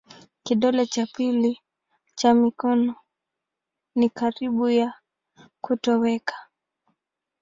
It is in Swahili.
Kidole cha pili cha mikono ni karibu ya kutoweka.